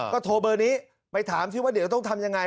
ก็โทรเบอร์นี้ไปถามซิว่าเดี๋ยวต้องทำยังไง